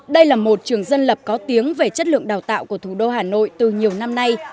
đây là một trường dân lập có tiếng về chất lượng đào tạo của thủ đô hà nội từ nhiều năm nay